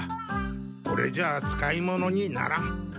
これじゃあ使い物にならん。